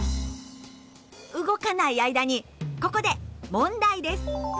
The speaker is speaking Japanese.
動かない間にここで問題です！